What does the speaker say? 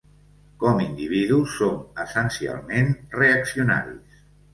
Com individus som essencialment reaccionaris.